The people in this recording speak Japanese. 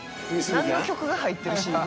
何の曲が入ってるＣＤ。